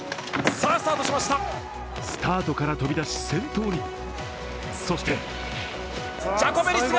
スタートから飛び出し、先頭に。